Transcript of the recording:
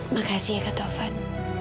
makasih kak taufan